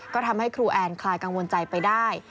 ก็ทำให้ครูแอนคลายกังวลใจไปได้